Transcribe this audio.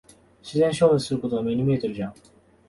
自然消滅することは目に見えてるじゃん。